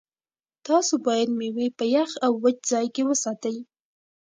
تاسو باید مېوې په یخ او وچ ځای کې وساتئ.